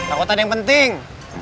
aku ada yang penting